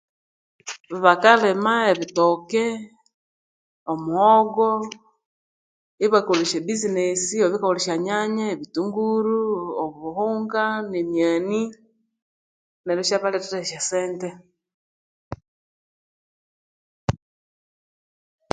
Bakalhima ebitoke, omuhogo, ibakolha esya business I babya bakaghulya esyonyanya, ebitunguru obuhunga nemyani neryo isyabaletera esyosente.